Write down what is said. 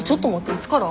いつから？